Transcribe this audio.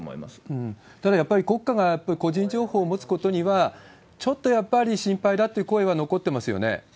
ただ、やっぱり国家が個人情報を持つことには、ちょっとやっぱり心配だっていう声は残ってますよね。